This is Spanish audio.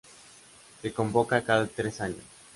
Se convoca cada tres años.